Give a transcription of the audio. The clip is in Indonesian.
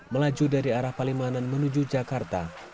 melaju dari arah palimanan menuju jakarta